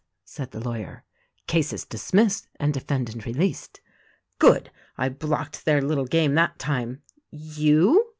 said the lawyer, "case is dismissed and defendant released." "Good ! I blocked their little game that time." "You?"